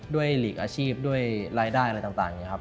หลีกอาชีพด้วยรายได้อะไรต่างอย่างนี้ครับ